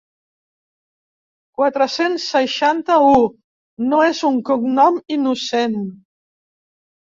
Quatre-cents seixanta-u no és un cognom innocent.